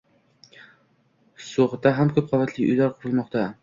So‘xda ham ko‘p qavatli uylar qurilmoqda